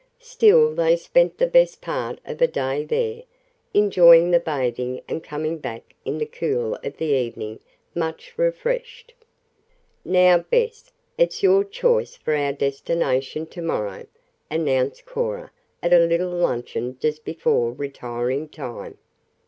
Still they spent the best part of a day there, enjoying the bathing and coming back in the cool of the evening much refreshed. "Now, Bess, it's your choice for our destination to morrow," announced Cora at a little luncheon just before retiring time.